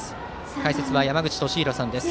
解説は山口敏弘さんです。